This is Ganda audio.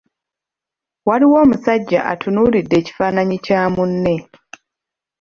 Waliwo omusajja atunuulidde ekifaananyi kya munne.